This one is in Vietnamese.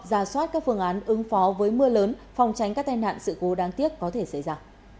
ra soát các phương án ứng phó với mưa lớn phòng tránh các tai nạn sự cố đáng tiếc có thể xảy ra